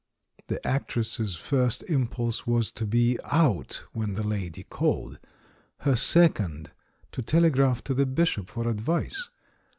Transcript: The actress's first impulse was to be "out" when the lady called; her second, to tele graph to the Bishop for advice.